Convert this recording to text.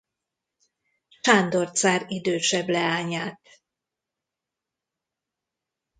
Sándor cár idősebb leányát.